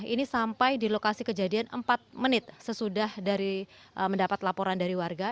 ini sampai di lokasi kejadian empat menit sesudah dari mendapat laporan dari warga